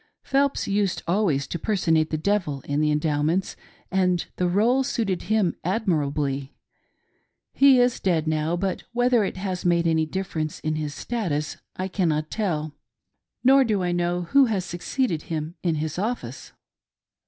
Phelps used always to personate the devil in the endowments, and the r6le suited him admirably. He is dead now, but whether it has made any difference iii his status, I dalitiot tell, nor do I know who has succeeded him in his office.